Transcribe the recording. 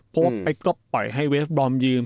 เพราะว่าเป๊กก็ปล่อยให้เวฟบอมยืม